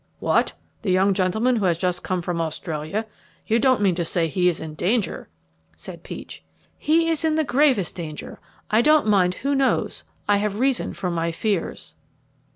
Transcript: "What! the young gentleman who has just come from Australia? You don't mean to say he is in danger?" said Peach. "He is in the gravest danger. I don't mind who knows. I have reason for my fears."